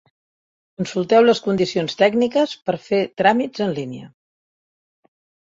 Consulteu les condicions tècniques per fer tràmits en línia.